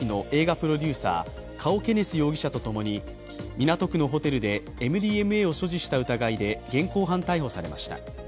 プロデューサーカオ・ケネス容疑者とともに港区のホテルでＭＤＭＡを所持した疑いで現行犯逮捕されました。